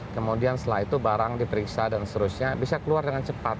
kemudian setelah itu barang diperiksa dan seterusnya bisa keluar dengan cepat